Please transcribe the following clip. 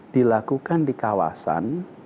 dilakukan di kawasan